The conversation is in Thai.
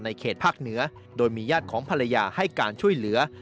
เขตภาคเหนือโดยมีญาติของภรรยาให้การช่วยเหลือ